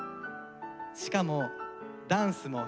しかもダンスも下手。